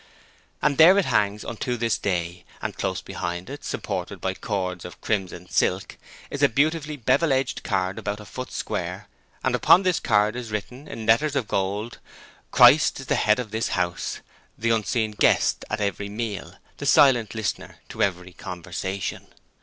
And there it hangs unto this day: and close behind it, supported by cords of crimson silk, is a beautiful bevelled edged card about a foot square, and upon this card is written, in letters of gold: 'Christ is the head of this house; the unseen Guest at every meal, the silent Listener to every conversation.'